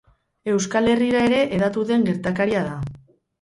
Euskal Herrira ere hedatu den gertakaria da.